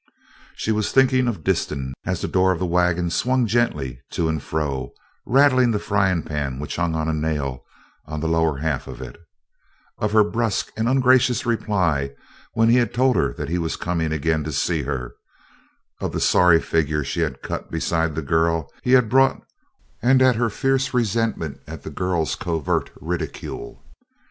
She was thinking of Disston as the door of the wagon swung gently to and fro, rattling the frying pan which hung on a nail on the lower half of it, of her brusque and ungracious reply when he had told her he was coming again to see her, of the sorry figure she had cut beside the girl he had brought, and of her fierce resentment at the girl's covert ridicule.